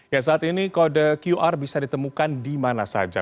ya saat ini kode qr bisa ditemukan dimana saja